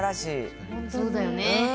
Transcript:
そうだよね。